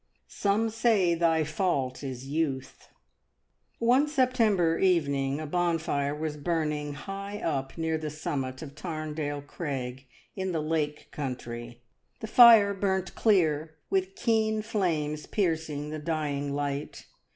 Some say thy fault is youth. One September evening a bonfire was burning high up near the summit of Tarndale Crag in the Lake Country. The fire burnt clear, with keen flames piercing the dying light.